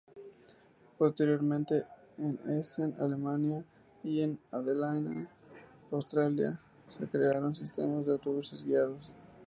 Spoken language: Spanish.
Posteriormente en Essen, Alemania y Adelaida, Australia se crearon sistemas de autobuses guiados.